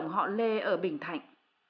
họ lê ở bình thạnh